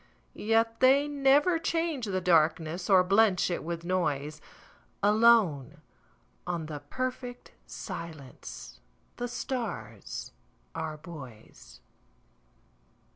Yet they never change the darknessOr blench it with noise; Alone on the perfect silenceThe stars are buoys.